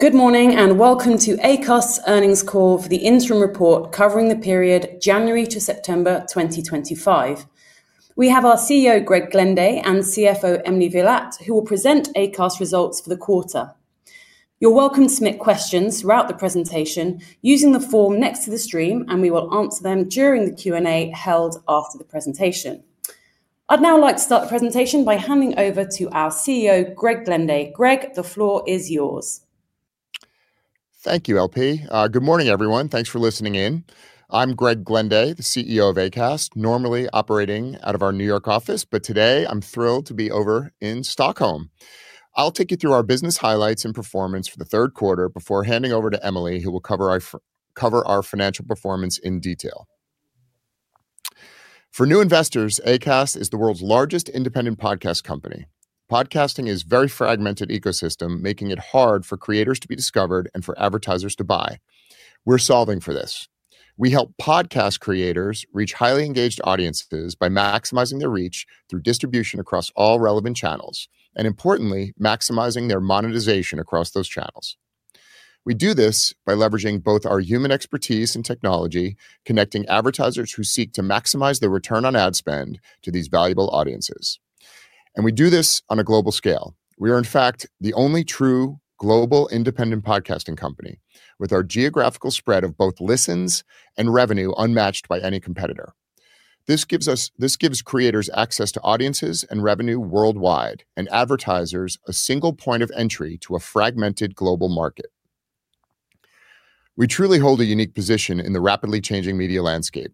Good morning, and welcome to Acast Earnings Call for the Interim Report Covering the Period January to September 2025. We have our CEO, Greg Glenday, and CFO, Emily Villatte, who will present Acast results for the quarter. You're welcome to submit questions throughout the presentation using the form next to the stream, and we will answer them during the Q&A held after the presentation. I'd now like to start the presentation by handing over to our CEO, Greg Glenday. Greg, the floor is yours. Thank you, LP. Good morning, everyone. Thanks for listening in. I'm Greg Glenday, the CEO of Acast, normally operating out of our New York office, but today I'm thrilled to be over in Stockholm. I'll take you through our business highlights and performance for the third quarter, before handing over to Emily, who will cover our financial performance in detail. For new investors, Acast is the world's largest independent podcast company. Podcasting is a very fragmented ecosystem, making it hard for creators to be discovered and for advertisers to buy. We're solving for this. We help podcast creators reach highly engaged audiences by maximizing their reach through distribution across all relevant channels, and importantly, maximizing their monetization across those channels. We do this by leveraging both our human expertise and technology, connecting advertisers who seek to maximize their return on ad spend to these valuable audiences. We do this on a global scale. We are in fact the only true global independent podcasting company, with our geographical spread of both listens and revenue unmatched by any competitor. This gives creators access to audiences and revenue worldwide, and advertisers a single point of entry to a fragmented global market. We truly hold a unique position in the rapidly changing media landscape.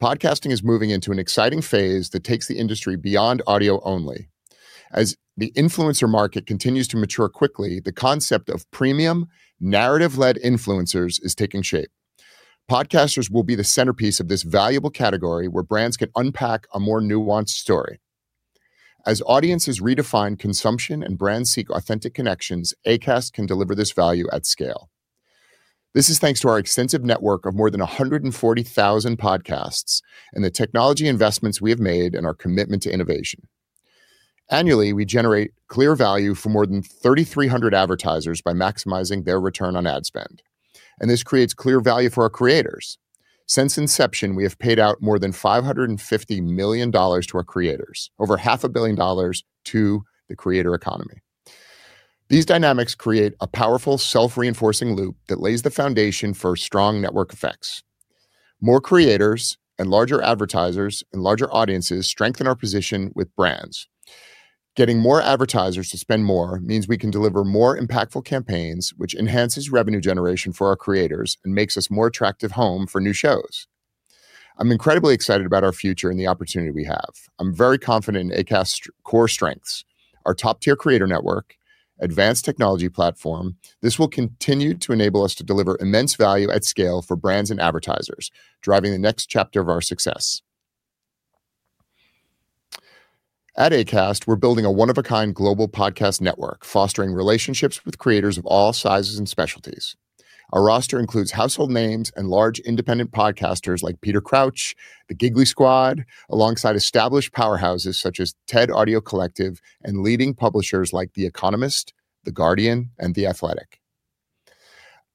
Podcasting is moving into an exciting phase that takes the industry beyond audio-only. As the influencer market continues to mature quickly, the concept of premium narrative-led influencers is taking shape. Podcasters will be the centerpiece of this valuable category, where brands can unpack a more nuanced story. As audiences redefine consumption and brands seek authentic connections, Acast can deliver this value at scale. This is thanks to our extensive network of more than 140,000 podcasts, and the technology investments we have made and our commitment to innovation. Annually, we generate clear value for more than 3,300 advertisers, by maximizing their return on ad spend. This creates clear value for our creators. Since inception, we have paid out more than $550 million to our creators, over half a billion dollars to the creator economy. These dynamics create a powerful self-reinforcing loop that lays the foundation for strong network effects. More creators and larger advertisers, and larger audiences strengthen our position with brands. Getting more advertisers to spend more, means we can deliver more impactful campaigns, which enhances revenue generation for our creators and makes us a more attractive home for new shows. I'm incredibly excited about our future and the opportunity we have. I'm very confident in Acast's core strengths, our top-tier creator network, advanced technology platform. This will continue to enable us to deliver immense value at scale for brands and advertisers, driving the next chapter of our success. At Acast, we're building a one-of-a-kind global podcast network, fostering relationships with creators of all sizes and specialties. Our roster includes household names and large independent podcasters like Peter Crouch, The Giggly Squad, alongside established powerhouses such as TED Audio Collective and leading publishers like The Economist, The Guardian, and The Athletic.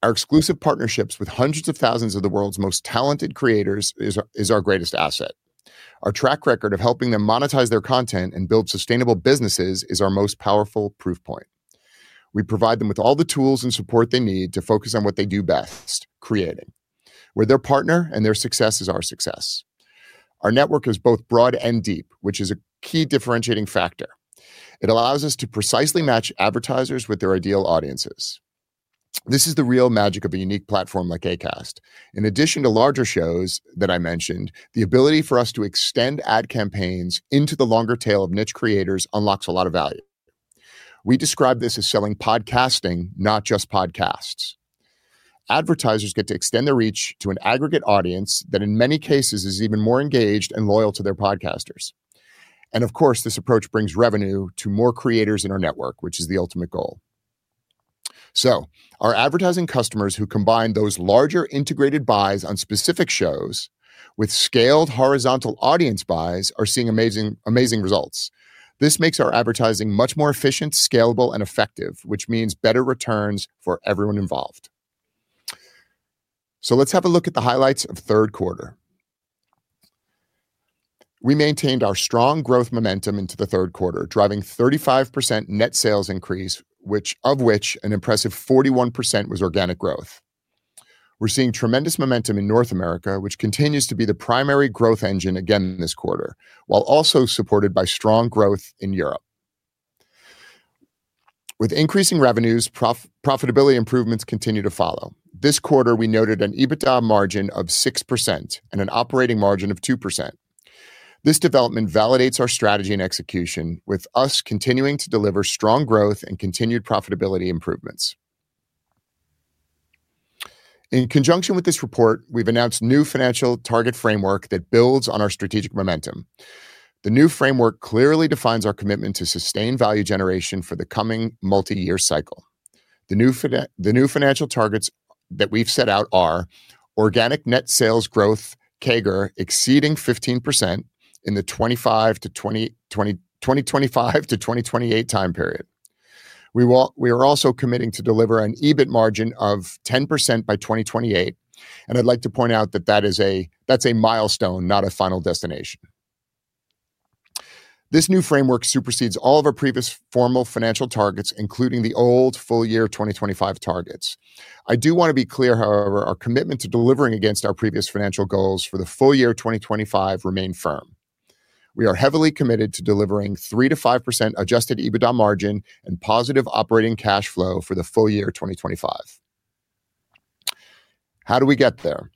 Our exclusive partnerships with hundreds of thousands of the world's most talented creators are our greatest asset. Our track record of helping them monetize their content and build sustainable businesses is our most powerful proof point. We provide them with all the tools and support they need to focus on what they do best, creating. We're their partner, and their success is our success. Our network is both broad and deep, which is a key differentiating factor. It allows us to precisely match advertisers with their ideal audiences. This is the real magic of a unique platform like Acast. In addition to larger shows that I mentioned, the ability for us to extend ad campaigns into the longer tail of niche creators unlocks a lot of value. We describe this as selling podcasting, not just podcasts. Advertisers get to extend their reach to an aggregate audience that in many cases, is even more engaged and loyal to their podcasters. Of course, this approach brings revenue to more creators in our network, which is the ultimate goal. Our advertising customers who combine those larger integrated buys on specific shows with scaled horizontal audience buys are seeing amazing results. This makes our advertising much more efficient, scalable, and effective, which means better returns for everyone involved. Let's have a look at the highlights of the third quarter. We maintained our strong growth momentum into the third quarter, driving a 35% net sales increase, of which an impressive 41% was organic growth. We're seeing tremendous momentum in North America, which continues to be the primary growth engine again this quarter, while also supported by strong growth in Europe. With increasing revenues, profitability improvements continue to follow. This quarter, we noted an EBITDA margin of 6% and an operating margin of 2%. This development validates our strategy and execution, with us continuing to deliver strong growth and continued profitability improvements. In conjunction with this report, we've announced a new financial target framework that builds on our strategic momentum. The new framework clearly defines our commitment to sustained value generation for the coming multi-year cycle. The new financial targets that we've set out are organic net sales growth CAGR exceeding 15% in the 2025-2028 time period. We are also committing to deliver an EBIT margin of 10% by 2028, and I'd like to point out that that's a milestone, not a final destination. This new framework supersedes all of our previous formal financial targets, including the old full-year 2025 targets. I do want to be clear however, our commitment to delivering against our previous financial goals for the full year 2025 remains firm. We are heavily committed to delivering a 3%-5% adjusted EBITDA margin, and positive operating cash flow for the full year 2025. How do we get there?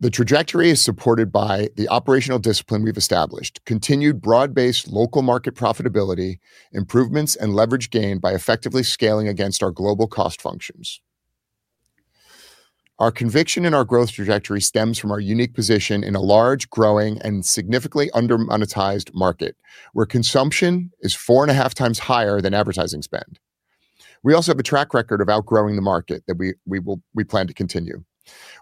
The trajectory is supported by the operational discipline we've established, continued broad-based local market profitability, improvements, and leverage gain, by effectively scaling against our global cost functions. Our conviction in our growth trajectory stems from our unique position in a large, growing, and significantly under-monetized market, where consumption is 4.5x higher than advertising spend. We also have a track record of outgrowing the market that we plan to continue.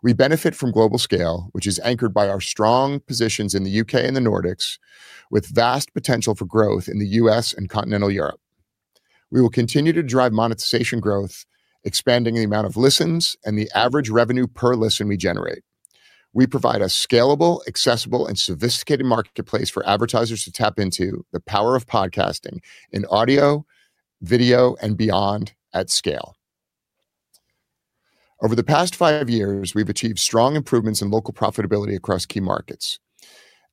We benefit from global scale, which is anchored by our strong positions in the U.K. and the Nordics, with vast potential for growth in the U.S. and continental Europe. We will continue to drive monetization growth, expanding the amount of listens and the average revenue per listen we generate. We provide a scalable, accessible, and sophisticated marketplace for advertisers to tap into the power of podcasting in audio, video, and beyond at scale. Over the past five years, we've achieved strong improvements in local profitability across key markets.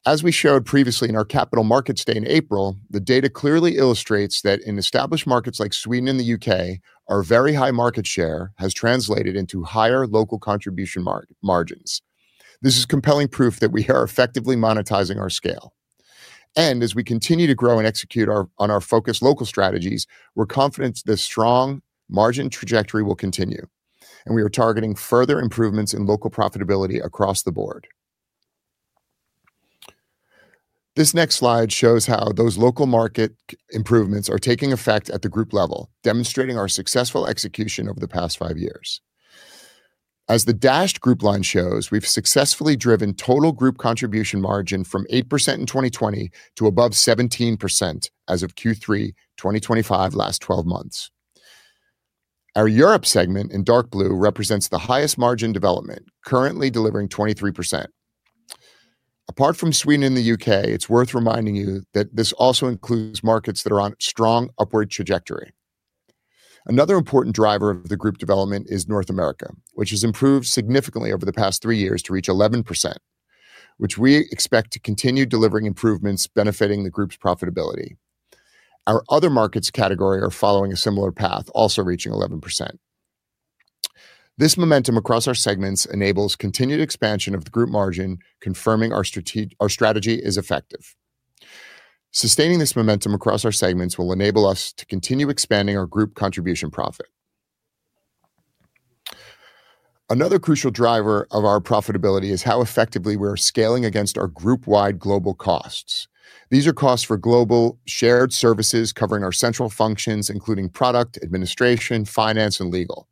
As we showed previously in our Capital Markets Day in April, the data clearly illustrates that in established markets like Sweden and the U.K., our very high market share has translated into higher local contribution margins. This is compelling proof that we are effectively monetizing our scale. As we continue to grow and execute on our focused local strategies, we're confident that a strong margin trajectory will continue and we are targeting further improvements in local profitability across the board. This next slide shows how those local market improvements are taking effect at the group level, demonstrating our successful execution over the past five years. As the dashed group line shows, we've successfully driven total group contribution margin from 8% in 2020 to above 17% as of Q3 2025, last 12 months. Our Europe segment in dark blue represents the highest margin development, currently delivering 23%. Apart from Sweden and the U.K., it's worth reminding you that this also includes markets that are on a strong upward trajectory. Another important driver of the group development is North America, which has improved significantly over the past three years to reach 11%, which we expect to continue delivering improvements benefiting the group's profitability. Our other markets category are following a similar path, also reaching 11%. This momentum across our segments enables continued expansion of the group margin, confirming our strategy is effective. Sustaining this momentum across our segments will enable us to continue expanding our group contribution profit. Another crucial driver of our profitability is how effectively we are scaling against our group-wide global costs. These are costs for global shared services covering our central functions, including product, administration, finance, and legal.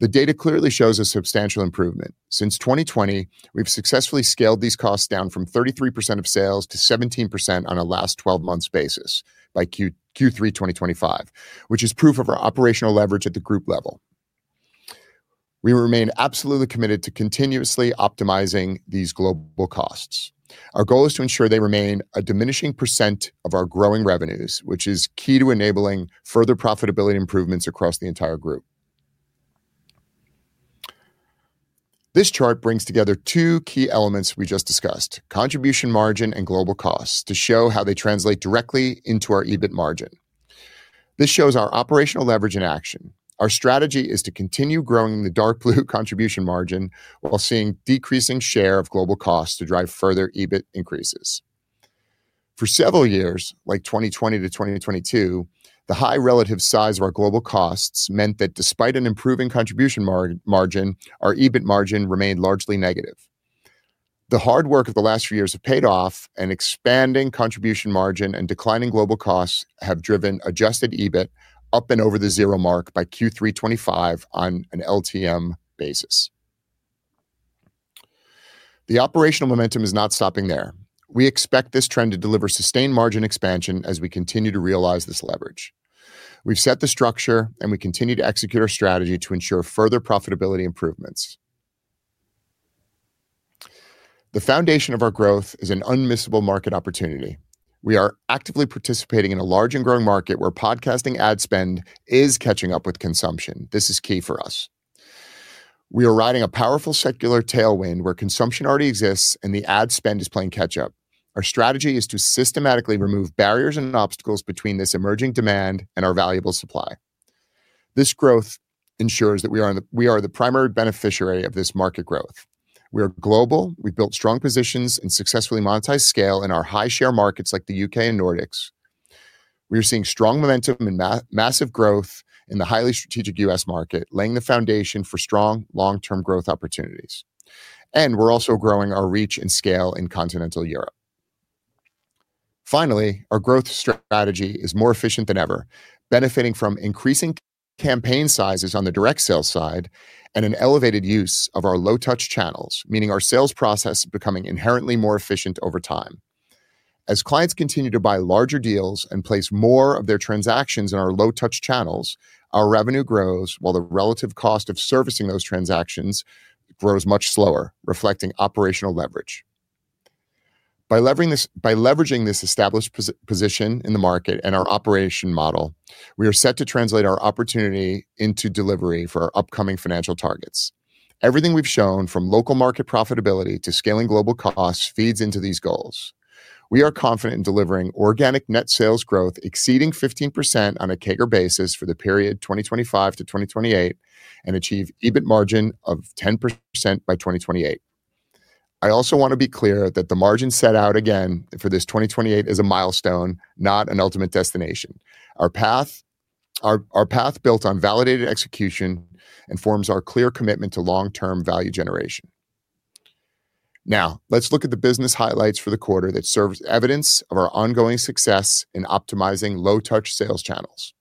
The data clearly shows a substantial improvement. Since 2020, we've successfully scaled these costs down from 33% of sales to 17% on a last 12 months basis by Q3 2025, which is proof of our operational leverage at the group level. We remain absolutely committed to continuously optimizing these global costs. Our goal is to ensure they remain a diminishing percent of our growing revenues, which is key to enabling further profitability improvements across the entire group. This chart brings together two key elements we just discussed, contribution margin and global costs, to show how they translate directly into our EBIT margin. This shows our operational leverage in action. Our strategy is to continue growing the dark blue contribution margin, while seeing decreasing share of global costs to drive further EBIT increases. For several years, like 2020-2022, the high relative size of our global costs meant that despite an improving contribution margin, our EBIT margin remained largely negative. The hard work of the last few years has paid off, and expanding contribution margin and declining global costs have driven adjusted EBIT up and over the zero mark by Q3 2025 on an LTM basis. The operational momentum is not stopping there. We expect this trend to deliver sustained margin expansion as we continue to realize this leverage. We've set the structure, and we continue to execute our strategy to ensure further profitability improvements. The foundation of our growth is an unmissable market opportunity. We are actively participating in a large and growing market, where podcasting ad spend is catching up with consumption. This is key for us. We are riding a powerful secular tailwind where consumption already exists,, and the ad spend is playing catch-up. Our strategy is to systematically remove barriers and obstacles between this emerging demand and our valuable supply. This growth ensures that we are the primary beneficiary of this market growth. We are global, we've built strong positions and successfully monetized scale in our high share markets like the U.K. and Nordics. We're seeing strong momentum and massive growth in the highly strategic U.S. market, laying the foundation for strong long-term growth opportunities. We're also growing our reach and scale in continental Europe. Finally, our growth strategy is more efficient than ever, benefiting from increasing campaign sizes on the direct sales side and an elevated use of our low-touch channels, meaning our sales process is becoming inherently more efficient over time. As clients continue to buy larger deals and place more of their transactions in our low-touch channels, our revenue grows, while the relative cost of servicing those transactions grows much slower, reflecting operational leverage. By leveraging this established position in the market and our operation model, we are set to translate our opportunity into delivery for our upcoming financial targets. Everything we've shown, from local market profitability to scaling global costs, feeds into these goals. We are confident in delivering organic net sales growth exceeding 15% on a CAGR basis for the period 2025-2028, and achieve an EBIT margin of 10% by 2028. I also want to be clear that the margin set out again for this 2028 is a milestone, not an ultimate destination. Our path is built on validated execution, and forms our clear commitment to long-term value generation. Now, let's look at the business highlights for the quarter that serves as evidence of our ongoing success in optimizing low-touch sales channels.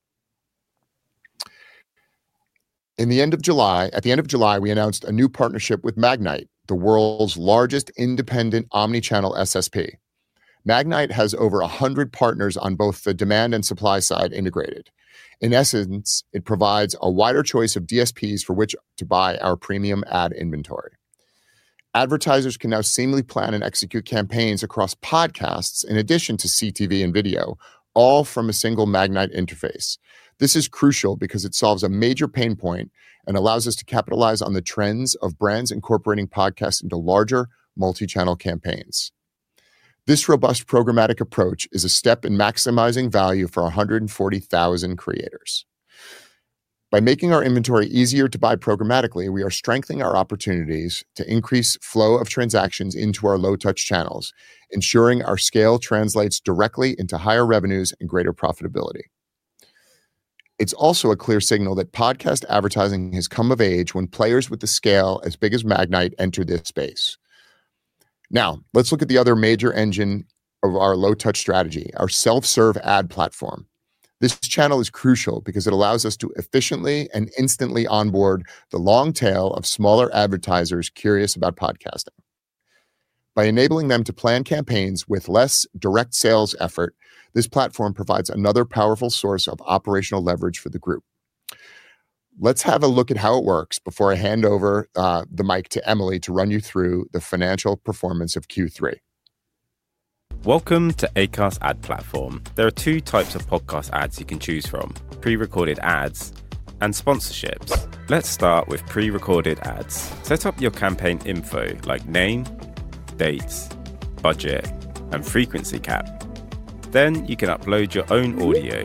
At the end of July, we announced a new partnership with Magnite, the world's largest independent omnichannel SSP. Magnite has over 100 partners on both the demand and supply side integrated. In essence, it provides a wider choice of DSPs for which to buy our premium ad inventory. Advertisers can now seamlessly plan and execute campaigns across podcasts in addition to CTV and video, all from a single Magnite interface. This is crucial because it solves a major pain point, and allows us to capitalize on the trends of brands incorporating podcasts into larger multichannel campaigns. This robust programmatic approach is a step in maximizing value for 140,000 creators. By making our inventory easier to buy programmatically, we are strengthening our opportunities to increase the flow of transactions into our low-touch channels, ensuring our scale translates directly into higher revenues and greater profitability. It's also a clear signal that podcast advertising has come of age, when players with a scale as big as Magnite entered this space. Now, let's look at the other major engine of our low-touch strategy, our self-serve ad platform. This channel is crucial, because it allows us to efficiently and instantly onboard the long tail of smaller advertisers curious about podcasting. By enabling them to plan campaigns with less direct sales effort, this platform provides another powerful source of operational leverage for the group. Let's have a look at how it works, before I hand over the mic to Emily to run you through the financial performance of Q3. Welcome to Acast Ad Platform. There are two types of podcast ads you can choose from, pre-recorded ads and sponsorships. Let's start with pre-recorded ads. Set up your campaign info, like name, dates, budget, and frequency cap. You can upload your own audio,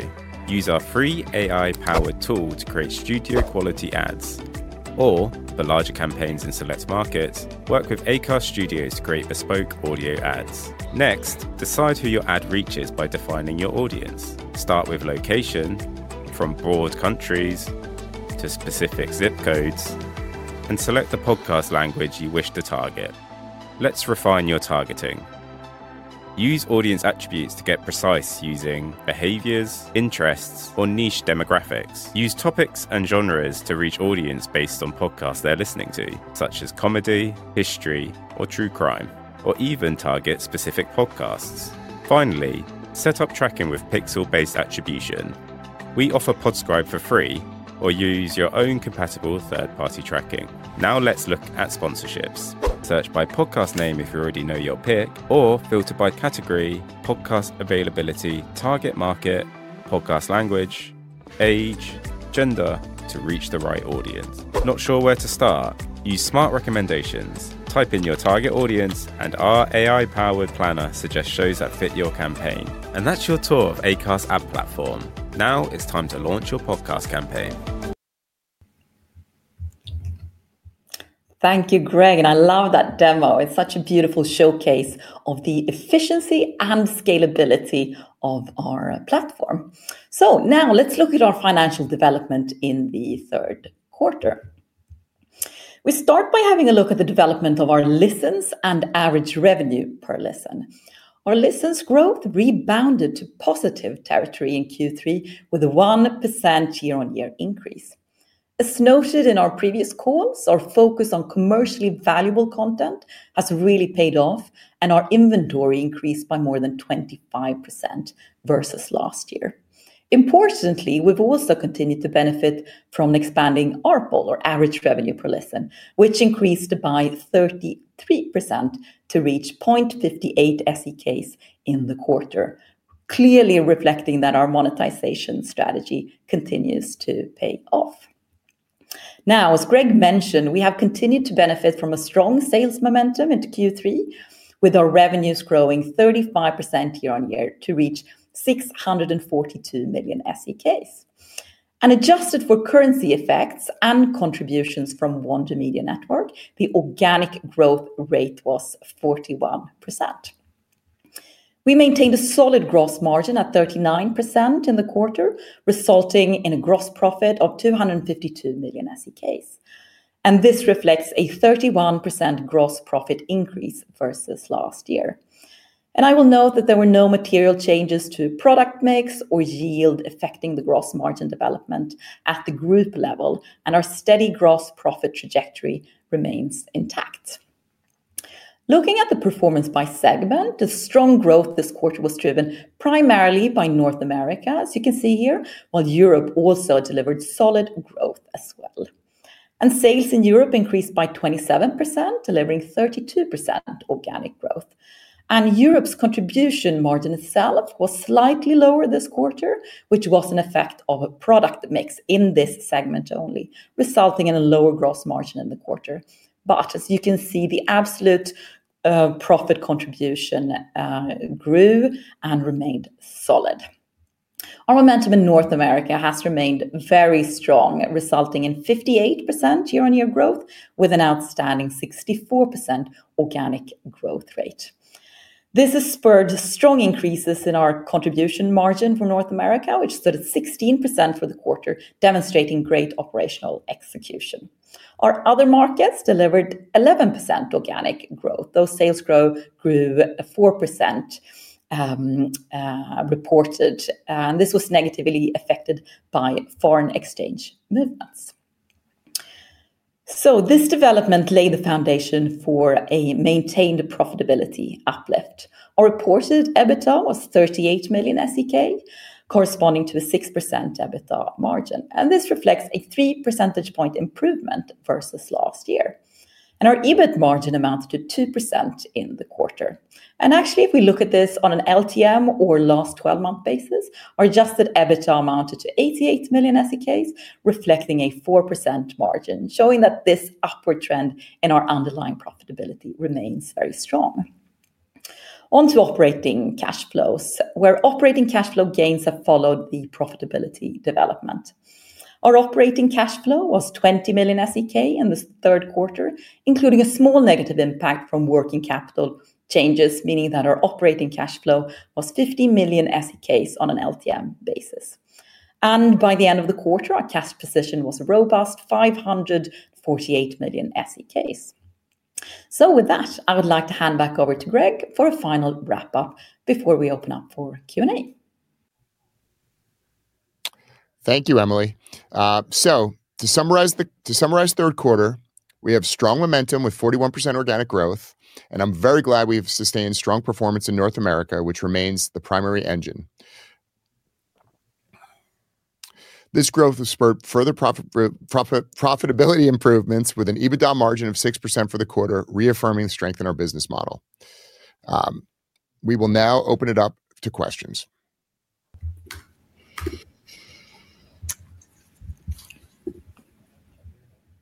use our free AI-powered tool to create studio-quality ads, or for larger campaigns in select markets, work with Acast Studios to create bespoke audio ads. Next, decide who your ad reaches by defining your audience. Start with location, from broad countries to specific zip codes, and select the podcast language you wish to target. Let's refine your targeting. Use audience attributes to get precise, using behaviors, interests, or niche demographics. Use topics and genres to reach audiences based on podcasts they're listening to, such as comedy, history, or true crime, or even target specific podcasts. Finally, set up tracking with pixel-based attribution. We offer Podscribe for free, or use your own compatible third-party tracking. Now let's look at sponsorships. Search by podcast name if you already know your pick, or filter by category, podcast availability, target market, podcast language, age, gender, to reach the right audience. Not sure where to start? Use smart recommendations. Type in your target audience, and our AI-powered planner suggests shows that fit your campaign. That's your tour of Acast Ad Platform. Now it's time to launch your podcast campaign. Thank you, Greg, and I love that demo. It's such a beautiful showcase of the efficiency and scalability of our platform. Now let's look at our financial development in the third quarter. We start by having a look at the development of our listens and average revenue per listen. Our listens' growth rebounded to positive territory in Q3, with a 1% year-on-year increase. As noted in our previous calls, our focus on commercially valuable content has really paid off and our inventory increased by more than 25% versus last year. Importantly, we've also continued to benefit from expanding ARPuL, or average revenue per listen, which increased by 33% to reach 0.58 SEK in the quarter, clearly reflecting that our monetization strategy continues to pay off. Now, as Greg mentioned, we have continued to benefit from a strong sales momentum into Q3, with our revenues growing 35% year-on-year to reach 642 million SEK. Adjusted for currency effects and contributions from Wonder Media Network, the organic growth rate was 41%. We maintained a solid gross margin at 39% in the quarter, resulting in a gross profit of 252 million SEK. This reflects a 31% gross profit increase versus last year. I will note that there were no material changes to product mix or yield affecting the gross margin development at the group level, and our steady gross profit trajectory remains intact. Looking at the performance by segment, the strong growth this quarter was driven primarily by North America, as you can see here, while Europe also delivered solid growth as well. Sales in Europe increased by 27%, delivering 32% organic growth. Europe's contribution margin itself was slightly lower this quarter, which was an effect of a product mix in this segment only, resulting in a lower gross margin in the quarter. As you can see, the absolute profit contribution grew and remained solid. Our momentum in North America has remained very strong, resulting in 58% year-on-year growth, with an outstanding 64% organic growth rate. This has spurred strong increases in our contribution margin for North America, which stood at 16% for the quarter, demonstrating great operational execution. Our other markets delivered 11% organic growth. Those sales grew 4% reported, and this was negatively affected by foreign exchange movements. This development laid the foundation for a maintained profitability uplift. Our reported EBITDA was 38 million SEK, corresponding to a 6% EBITDA margin. This reflects a 3% point improvement versus last year. Our EBIT margin amounts to 2% in the quarter. Actually, if we look at this on an LTM or last 12-month basis, our adjusted EBITDA amounted to 88 million SEK, reflecting a 4% margin, showing that this upward trend in our underlying profitability remains very strong. On to operating cash flows, where operating cash flow gains have followed the profitability development. Our operating cash flow was 20 million SEK in this third quarter, including a small negative impact from working capital changes, meaning that our operating cash flow was 50 million SEK on an LTM basis. By the end of the quarter, our cash position was a robust 548 million SEK. With that, I would like to hand back over to Greg for a final wrap-up before we open up for Q&A. Thank you, Emily. To summarize the third quarter, we have strong momentum with 41% organic growth, and I'm very glad we've sustained strong performance in North America, which remains the primary engine. This growth has spurred further profitability improvements, with an EBITDA margin of 6% for the quarter, reaffirming the strength in our business model. We will now open it up to questions.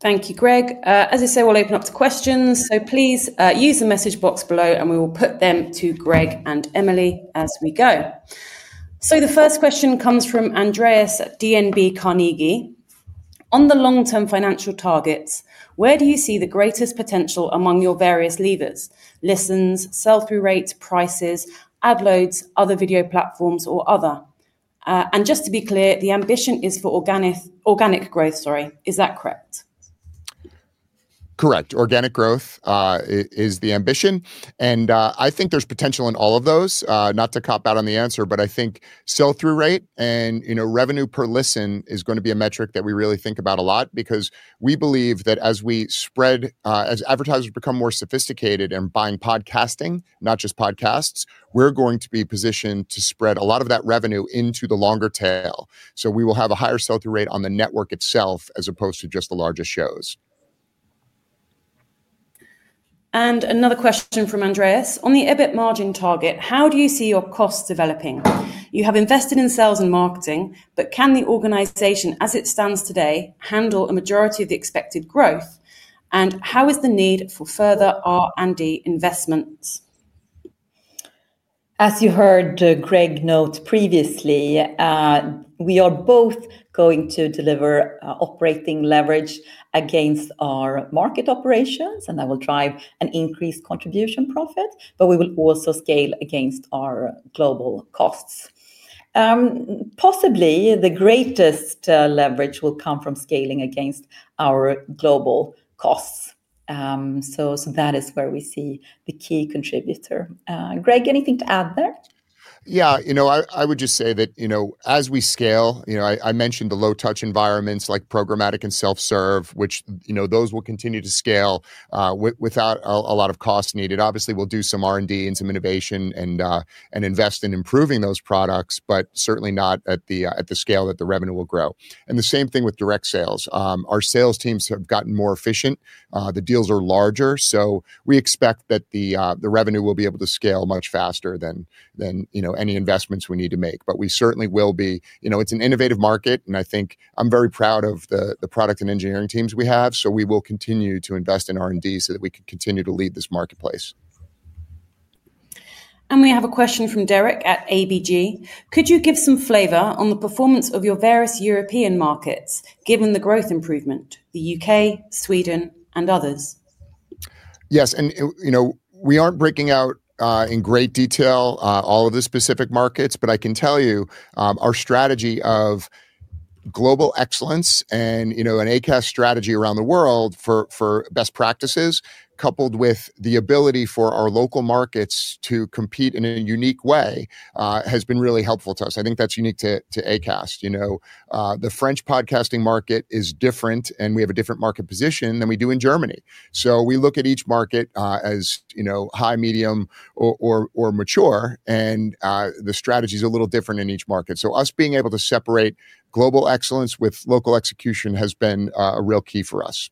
Thank you, Greg. As I said, we'll open up to questions. Please use the message box below, and we will put them to Greg and Emily as we go. The first question comes from Andreas at DNB Carnegie. On the long-term financial targets, where do you see the greatest potential among your various levers, listens, sell-through rates, prices, ad loads, other video platforms, or other? Just to be clear, the ambition is for organic growth, sorry. Is that correct? Correct. Organic growth is the ambition. I think there's potential in all of those. Not to cop out on the answer, but I think sell-through rate and revenue per listen is going to be a metric that we really think about a lot, because we believe that as advertisers become more sophisticated and buying podcasting, not just podcasts, we're going to be positioned to spread a lot of that revenue into the longer tail. We will have a higher sell-through rate on the network itself, as opposed to just the largest shows. Another question from Andreas. On the EBIT margin target, how do you see your costs developing? You have invested in sales and marketing, but can the organization, as it stands today, handle a majority of the expected growth? How is the need for further R&D investments? As you heard Greg note previously, we are both going to deliver operating leverage against our market operations. That will drive an increased contribution profit, but we will also scale against our global costs. Possibly, the greatest leverage will come from scaling against our global costs. That is where we see the key contributor. Greg, anything to add there? Yeah, I would just say that as we scale, I mentioned the low-touch environments like programmatic and self-serve, which, those will continue to scale without a lot of cost needed. Obviously, we'll do some R&D and some innovation, and invest in improving those products, but certainly not at the scale that the revenue will grow. The same thing with direct sales. Our sales teams have gotten more efficient. The deals are larger, so we expect that the revenue will be able to scale much faster than any investments we need to make. It's an innovative market, and I think I'm very proud of the product and engineering teams we have. We will continue to invest in R&D, so that we can continue to lead this marketplace. We have a question from Derek at ABG. Could you give some flavor on the performance of your various European markets, given the growth improvement? The U.K., Sweden, and others. Yes. We aren't breaking out in great detail all of the specific markets, but I can tell you, our strategy of global excellence and an Acast strategy around the world for best practices, coupled with the ability for our local markets to compete in a unique way, has been really helpful to us. I think that's unique to Acast. The French podcasting market is different, and we have a different market position than we do in Germany. We look at each market as high, medium or mature, and the strategy is a little different in each market. Us being able to separate global excellence with local execution has been a real key for us.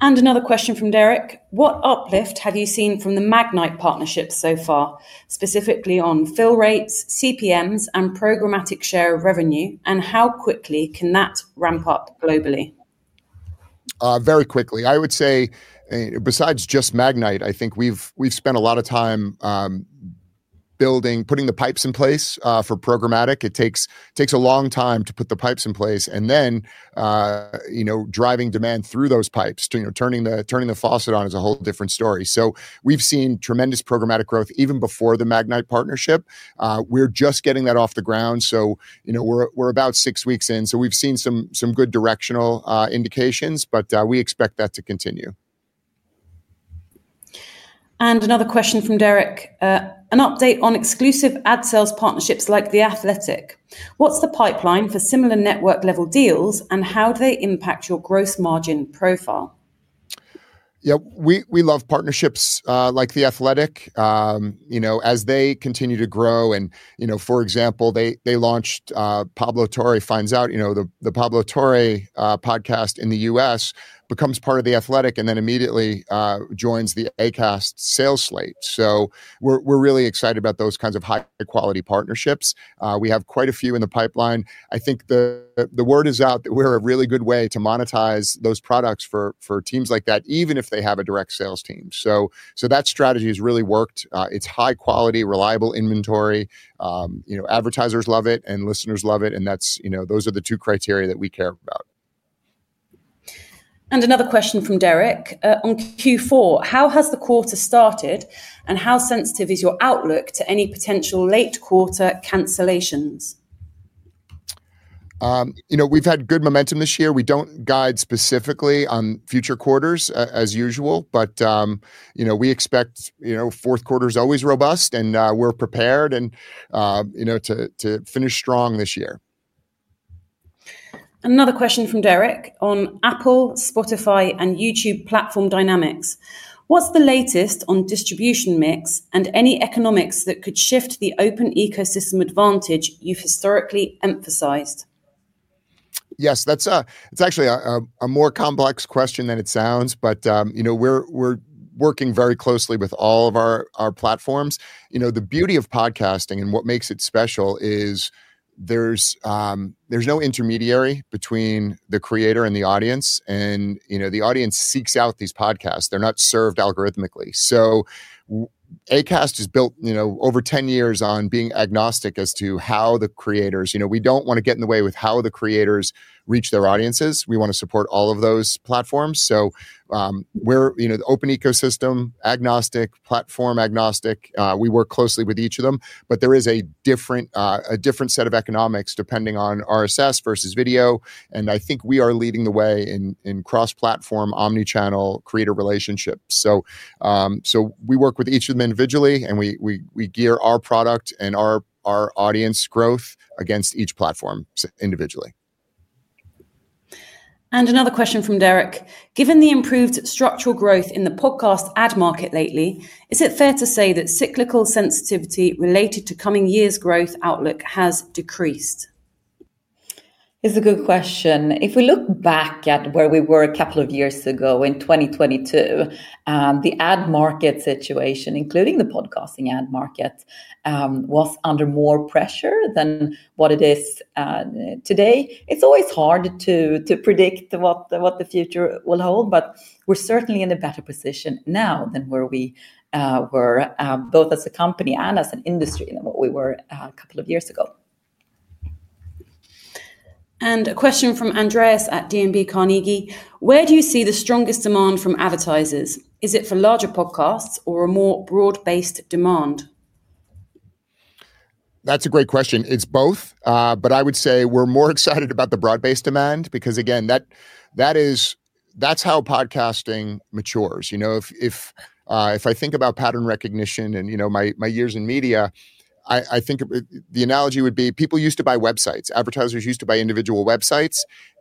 Another question from Derek. What uplift have you seen from the Magnite partnership so far, specifically on fill rates, CPMs, and programmatic share of revenue, and how quickly can that ramp up globally? Very quickly, I would say, besides just Magnite, I think we've spent a lot of time building, putting the pipes in place for programmatic. It takes a long time to put the pipes in place, and then driving demand through those pipes, turning the faucet on is a whole different story. We've seen tremendous programmatic growth even before the Magnite partnership. We're just getting that off the ground. We're about six weeks in. We've seen some good directional indications, but we expect that to continue. Another question from Derek. An update on exclusive ad sales partnerships like The Athletic. What's the pipeline for similar network-level deals, and how do they impact your gross margin profile? Yeah, we love partnerships like The Athletic. As they continue to grow and for example, they launched Pablo Torre Finds Out, The Pablo Torre podcast in the U.S. becomes part of The Athletic, and then immediately joins the Acast sales slate. We're really excited about those kinds of high-quality partnerships. We have quite a few in the pipeline. I think the word is out that we're a really good way to monetize those products for teams like that, even if they have a direct sales team. That strategy has really worked. It's high-quality, reliable inventory. Advertisers love it and listeners love it, and those are the two criteria that we care about. Another question from Derek. On Q4, how has the quarter started, and how sensitive is your outlook to any potential late-quarter cancellations? We've had good momentum this year. We don't guide specifically on future quarters as usual, but we expect fourth quarter is always robustand we're prepared to finish strong this year. Another question from Derek on Apple, Spotify, and YouTube platform dynamics. What's the latest on distribution mix, and any economics that could shift the open ecosystem advantage you've historically emphasized? Yes. That's actually a more complex question than it sounds, but we're working very closely with all of our platforms. The beauty of podcasting and what makes it special is, there's no intermediary between the creator and the audience and the audience seeks out these podcasts. They're not served algorithmically. Acast is built over 10 years on being agnostic, we don't want to get in the way with how the creators reach their audiences. We want to support all of those platforms. We're an open ecosystem, agnostic, platform agnostic. We work closely with each of them, but there is a different set of economics, depending on RSS versus video. I think we are leading the way in cross-platform omnichannel creator relationships. We work with each of them individually, and we gear our product and our audience growth against each platform individually. Another question from Derek. Given the improved structural growth in the podcast ad market lately, is it fair to say that cyclical sensitivity related to coming years' growth outlook has decreased? It's a good question. If we look back at where we were a couple of years ago in 2022, the ad market situation, including the podcasting ad market, was under more pressure than what it is today. It's always hard to predict what the future will hold, but we're certainly in a better position now than where we were, both as a company and as an industry than what we were a couple of years ago. A question from Andreas at DNB Carnegie. Where do you see the strongest demand from advertisers? Is it for larger podcasts or a more broad-based demand? That's a great question. It's both, but I would say we're more excited about the broad-based demand because, again, that's how podcasting matures. If I think about pattern recognition and my years in media, I think the analogy would be people used to buy websites. Advertisers used to buy individual websites,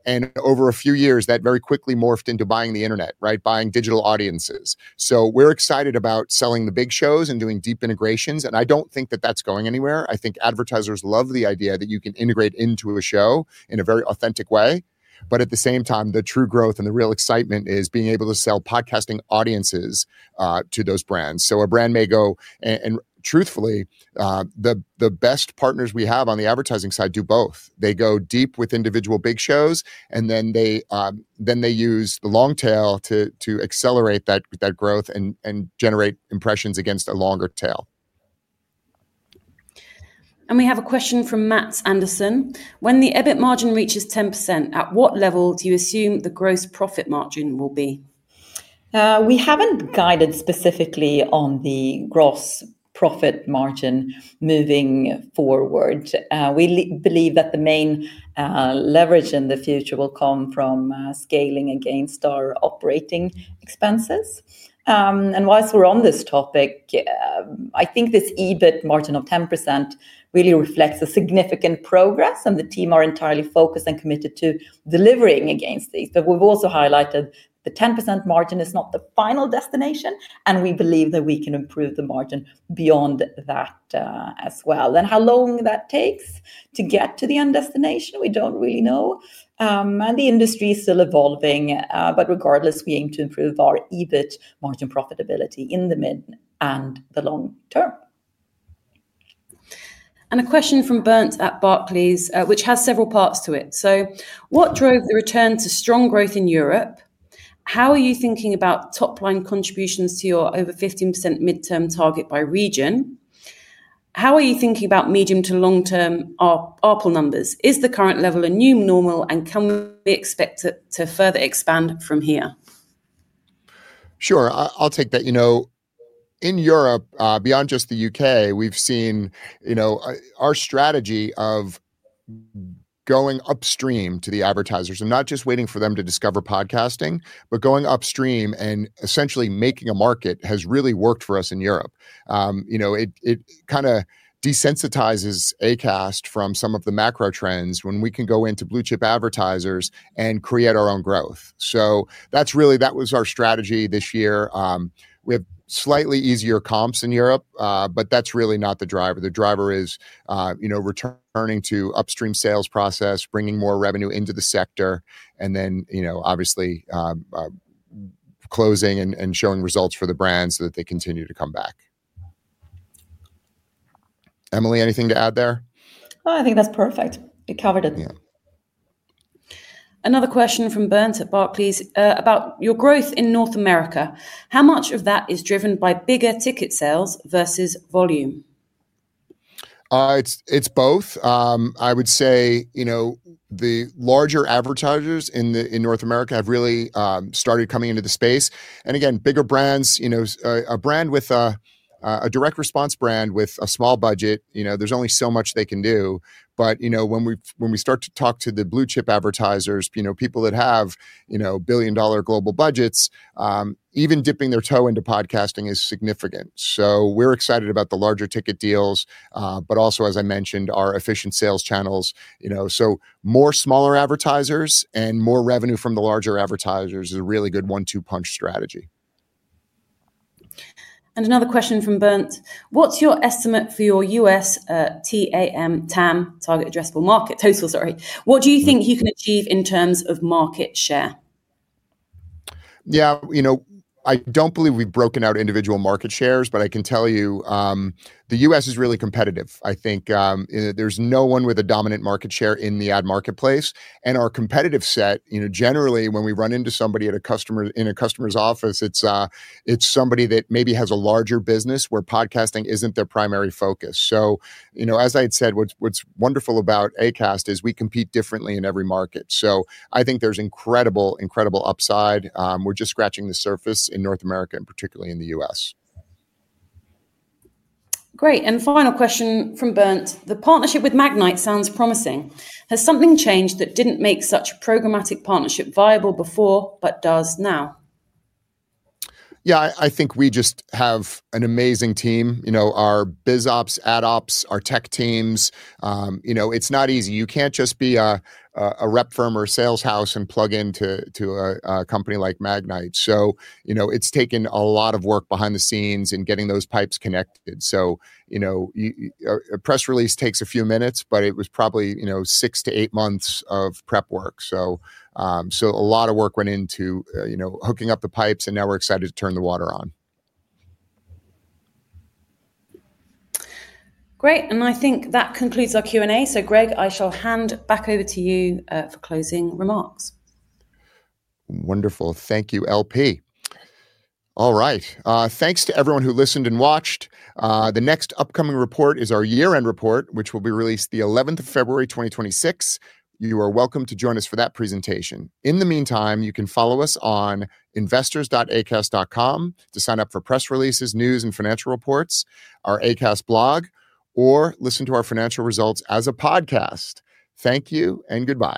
and over a few years, that very quickly morphed into buying the internet, right? Buying digital audiences. We're excited about selling the big shows and doing deep integrations, and I don't think that that's going anywhere. I think advertisers love the idea that you can integrate into a show in a very authentic way, but at the same time, the true growth and the real excitement is being able to sell podcasting audiences to those brands. Truthfully, the best partners we have on the advertising side do both. They go deep with individual big shows, and then they use the long tail to accelerate that growth and generate impressions against a longer tail. We have a question from Matt Anderson. When the EBIT margin reaches 10%, at what level do you assume the gross profit margin will be? We haven't guided specifically on the gross profit margin moving forward. We believe that the main leverage in the future will come from scaling against our operating expenses. Whilst we're on this topic, I think this EBIT margin of 10% really reflects significant progress, and the team is entirely focused and committed to delivering against these. We've also highlighted, the 10% margin is not the final destination, and we believe that we can improve the margin beyond that as well. How long that takes to get to the end destination, we don't really know. The industry is still evolving, but regardless, we aim to improve our EBIT margin profitability in the mid and the long term. A question from [Burnt at Barclays], which has several parts to it. What drove the return to strong growth in Europe? How are you thinking about top-line contributions to your over 15% midterm target by region? How are you thinking about medium to long-term ARPuL numbers? Is the current level a new normal, and can we expect it to further expand from here? Sure, I'll take that. In Europe, beyond just the U.K., we've seen our strategy of going upstream to the advertisers and not just waiting for them to discover podcasting, but going upstream and essentially making a market has really worked for us in Europe. It kind of desensitizes Acast from some of the macro trends, when we can go into blue-chip advertisers and create our own growth. Really, that was our strategy this year. We have slightly easier comps in Europe, but that's really not the driver. The driver is returning to upstream sales process, bringing more revenue into the sector, and then obviously closing and showing results for the brands so that they continue to come back. Emily, anything to add there? No, I think that's perfect. It covered. Another question from [Burnt] at Barclays, about your growth in North America. How much of that is driven by bigger ticket sales versus volume? It's both. I would say the larger advertisers in North America have really started coming into the space. Again, bigger brands, a brand with a direct response brand with a small budget, there's only so much they can do. When we start to talk to the blue-chip advertisers, people that have billion-dollar global budgets, even dipping their toe into podcasting is significant. We're excited about the larger ticket deals, but also, as I mentioned, our efficient sales channels, so more smaller advertisers and more revenue from the larger advertisers is a really good one-two punch strategy. Another question from [Burnt]. What's your estimate for your U.S. TAM, Total Addressable Market? What do you think you can achieve in terms of market share? Yeah. I don't believe we've broken out individual market shares, but I can tell you, the U.S. is really competitive. I think there's no one with a dominant market share in the ad marketplace. Our competitive set generally, when we run into somebody in a customer's office, it's somebody that maybe has a larger business where podcasting isn't their primary focus. As I had said, what's wonderful about Acast is, we compete differently in every market. I think there's incredible, incredible upside. We're just scratching the surface in North America, and particularly in the U.S. Great. Final question from [Burnt]. The partnership with Magnite sounds promising. Has something changed that didn't make such a programmatic partnership viable before, but does now? Yeah, I think we just have an amazing team. Our biz ops, ad ops, our tech teams, it's not easy. You can't just be a rep firm or a sales house and plug into a company like Magnite. It's taken a lot of work behind the scenes in getting those pipes connected. A press release takes a few minutes, but it was probably six to eight months of prep work. A lot of work went into hooking up the pipes, and now we're excited to turn the water on. Great. I think that concludes our Q&A. Greg, I shall hand back over to you for closing remarks. Wonderful. Thank you, LP. All right. Thanks to everyone who listened and watched. The next upcoming report is our year-end report, which will be released the 11th of February 2026. You are welcome to join us for that presentation. In the meantime, you can follow us on investors.acast.com, to sign up for press releases, news, and financial reports, our Acast blog or listen to our financial results as a podcast. Thank you, and goodbye.